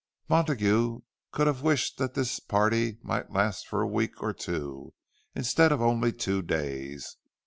Montague could have wished that this party might last for a week or two, instead of only two days.